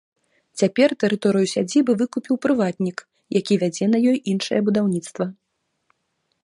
Цяпер тэрыторыю сядзібы выкупіў прыватнік, які вядзе на ёй іншае будаўніцтва.